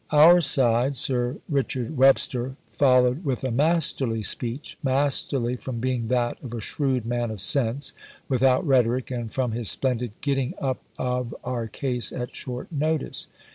Our side, Sir Richard Webster, followed with a masterly speech masterly from being that of a shrewd man of sense, without rhetoric, and from his splendid getting up of our case at short notice.